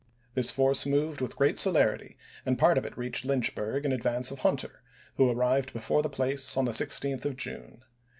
This force moved with great celerity and part of it reached Lynchburg in advance of Hunter, who ar rived before the place on the 16th of June.